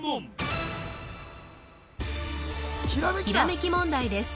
ひらめき問題です